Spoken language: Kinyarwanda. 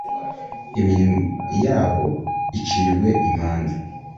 imirimo yabo icirwe imanza.